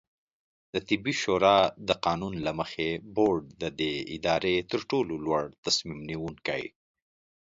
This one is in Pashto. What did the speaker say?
دطبي شورا د قانون له مخې، بورډ د دې ادارې ترټولو لوړتصمیم نیونکې